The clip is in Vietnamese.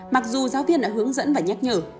mặc dù giáo viên đã hướng dẫn và nhắc nhở